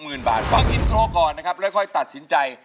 มูลค่า๖๐๐๐๐บาทฟังอินโทรก่อนนะครับแล้วค่อยตัดสินใจ